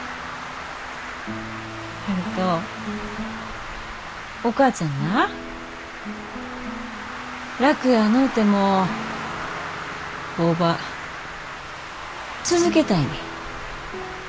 悠人お母ちゃんな楽やのうても工場続けたいねん。